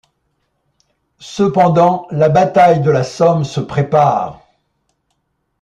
Cependant la bataille de la Somme se prépare...